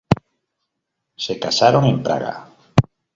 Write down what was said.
Se casaron en Praga.